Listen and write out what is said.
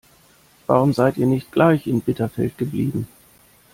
Warum seid ihr nicht gleich in Bitterfeld geblieben?